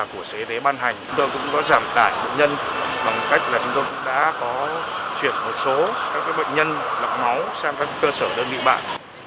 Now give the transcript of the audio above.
bệnh viện thận hà nội đã có chuyển một số các bệnh nhân lọc máu sang các cơ sở đơn vị bạc